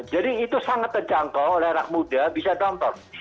jadi itu sangat terjangkau oleh anak muda bisa nonton